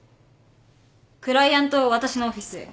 クライアントを私のオフィスへ。